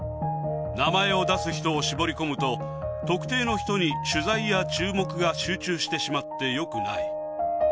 名前を出す人を絞り込むと、特定の人に取材や注目が集中してしまってよくない。